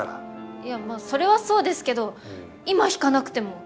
いやまそれはそうですけど今弾かなくても。